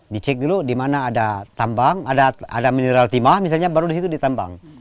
dicek dulu di mana ada tambang ada mineral timah misalnya baru disitu ditambang